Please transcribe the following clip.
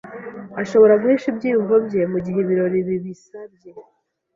Ashobora guhisha ibyiyumvo bye mugihe ibirori bibisabye.